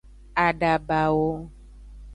Adabawo.